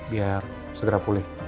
biar segera pulih